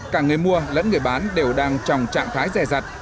càng người mua lẫn người bán đều đang trong trạng thái rẻ rặt